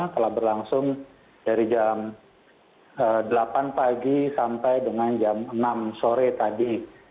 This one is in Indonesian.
telah berlangsung dari jam delapan pagi sampai dengan jam enam sore tadi